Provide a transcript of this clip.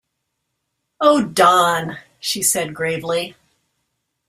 “Oh, Dawn,” she said gravely.